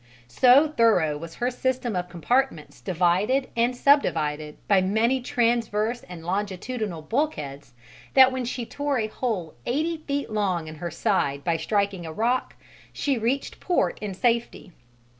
So thorough was her system of compartments divided and subdivided by many transverse and longitudinal bulkheads that when she tore a hole eighty feet long in her side by striking a rock, she reached port in safety.